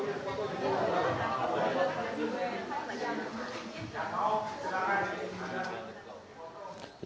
assalamualaikum warahmatullahi wabarakatuh